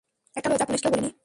একটা কথা বলব যা পুলিশকেও বলিনি?